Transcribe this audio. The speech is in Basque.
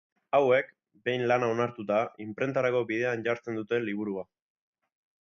Hauek, behin lana onartuta, inprentarako bidean jartzen dute liburua.